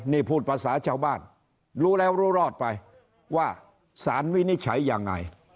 นี่พูดภาษาชาวบ้านรู้แล้วรู้รอดไปว่าสารวินิจฉัยยังไง